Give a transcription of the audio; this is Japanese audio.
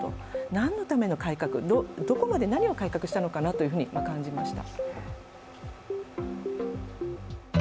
何のための改革、どこまで何を改革したのかなと感じました。